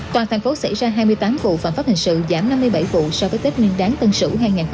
toàn thành phố xảy ra hai mươi tám vụ phạm pháp hình sự giảm năm mươi bảy vụ so với tết nguyên đáng tân sửu hai nghìn hai mươi một